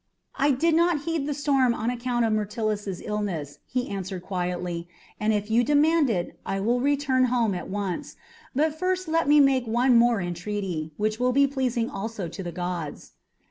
"I did not heed the storm on account of Myrtilus's illness," he answered quietly, "and if you demand it, I will return home at once; but first let me make one more entreaty, which will be pleasing also to the gods."